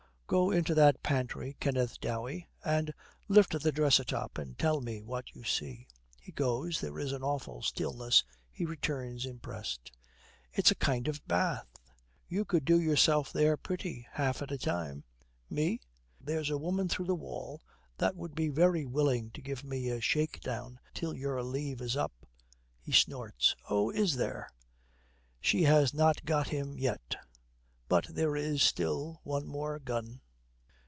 'Go into that pantry, Kenneth Dowey, and lift the dresser top, and tell me what you see.' He goes. There is an awful stillness. He returns, impressed. 'It's a kind of a bath!' 'You could do yourself there pretty, half at a time.' 'Me?' 'There's a woman through the wall that would be very willing to give me a shakedown till your leave is up.' He snorts. 'Oh, is there!' She has not got him yet, but there is still one more gun.